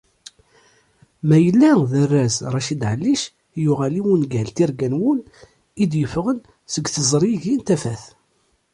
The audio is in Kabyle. Mayella d arraz Raccid Ɛallic yuɣal i wungal "Tirga n wul" i d-yeffɣen seg teẓrigin Tafat.